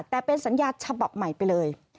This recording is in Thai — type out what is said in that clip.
แต่เป็นสัญญาฉบับใหม่ไปเลย